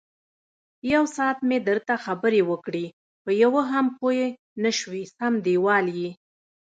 یوساعت مې درته خبرې وکړې، په یوه هم پوی نشوې سم دېوال یې.